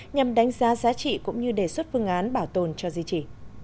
nhằm đánh giá giá trị cũng như đề xuất phương án bảo tồn cho di trì